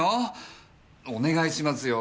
お願いしますよ。